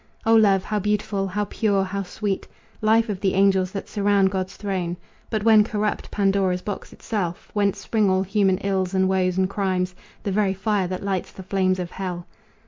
O love! how beautiful! how pure! how sweet! Life of the angels that surround God's throne! But when corrupt, Pandora's box itself, Whence spring all human ills and woes and crimes, The very fire that lights the flames of hell.